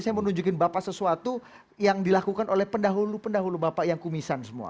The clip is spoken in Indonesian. saya mau nunjukin bapak sesuatu yang dilakukan oleh pendahulu pendahulu bapak yang kumisan semua